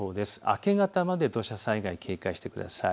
明け方まで土砂災害に警戒してください。